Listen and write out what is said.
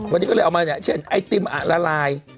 วันนี้ก็เลยเอามาเนี่ยเช่นไอติมละลาย